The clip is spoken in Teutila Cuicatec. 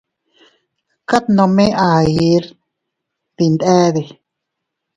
Kad nome ahir dindade.